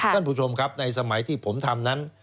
ท่านผู้ชมครับในสมัยที่ผมทำนั้น